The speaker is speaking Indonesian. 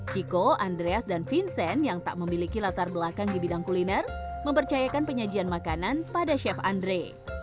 chico andreas dan vincent yang tak memiliki latar belakang di bidang kuliner mempercayakan penyajian makanan pada chef andre